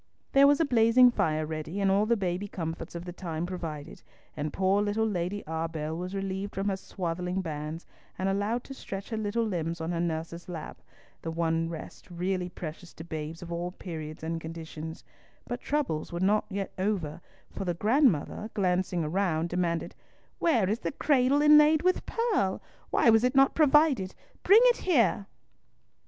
There was a blazing fire ready, and all the baby comforts of the time provided, and poor little Lady Arbell was relieved from her swathing bands, and allowed to stretch her little limbs on her nurse's lap, the one rest really precious to babes of all periods and conditions—but the troubles were not yet over, for the grandmother, glancing round, demanded, "Where is the cradle inlaid with pearl? Why was it not provided? Bring it here."